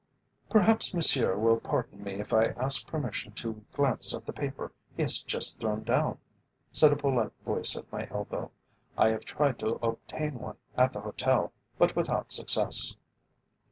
"Perhaps monsieur will pardon me if I ask permission to glance at the paper he has just thrown down," said a polite voice at my elbow. "I have tried to obtain one at the hotel, but without success."